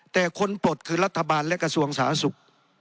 แต่คนปลดคือรัฐบาลและกระทรวงสาธารณสุข